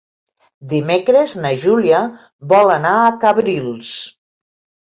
Dimecres na Júlia vol anar a Cabrils.